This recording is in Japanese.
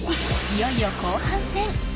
いよいよ後半戦。